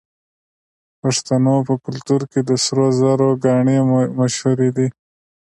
د پښتنو په کلتور کې د سرو زرو ګاڼې مشهورې دي.